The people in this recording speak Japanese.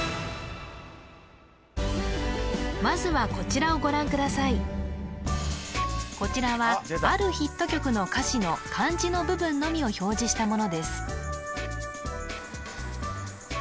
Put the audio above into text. まずはこちらはあるヒット曲の歌詞の漢字の部分のみを表示したものです